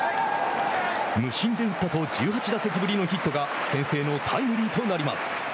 「無心で打った」と１８打席ぶりのヒットが先制のタイムリーとなります。